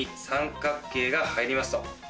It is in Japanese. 三角形が入りますと。